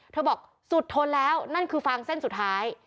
บอกสุดทนแล้วนั่นคือฟางเส้นสุดท้าย